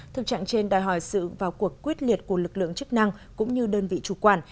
thực trạng trên đòi hỏi sự vào cuộc quyết liệt của lực lượng chức năng cũng như đơn vị chủ quản